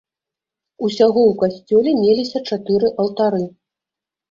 Усяго ў касцёле меліся чатыры алтары.